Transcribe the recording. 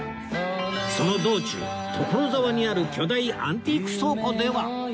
その道中所沢にある巨大アンティーク倉庫では